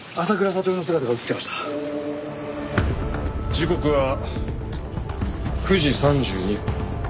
時刻は９時３２分。